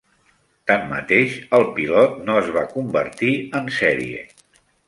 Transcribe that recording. Tanmateix, el pilot no es va convertir en sèrie.